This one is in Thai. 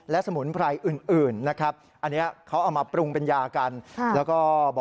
และสมุนไพรอื่นนะครับ